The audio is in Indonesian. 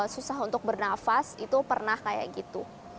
susah untuk bernafas itu pernah kayak gitu